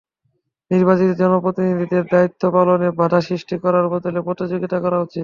নির্বাচিত জনপ্রতিনিধিদের দায়িত্ব পালনে বাধা সৃষ্টি করার বদলে সহযোগিতা করা উচিত।